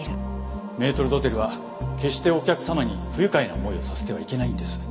メートル・ドテルは決してお客様に不愉快な思いをさせてはいけないんです。